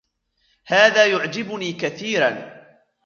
هذا يعجبني كثيرا.